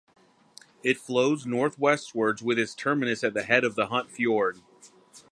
It flows northwestwards with its terminus at the head of the Hunt Fjord.